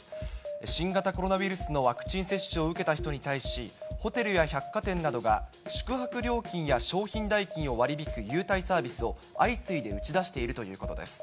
新型コロナウイルスのワクチン接種を受けた人に対し、ホテルや百貨店などが、宿泊料金や商品代金を割り引く優待サービスを、相次いで打ち出しているということです。